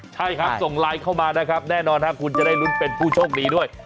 ใช่ครับส่งไลน์เข้ามานะครับแน่นอนครับคุณจะได้ลุ้นเป็นผู้โชคดีด้วย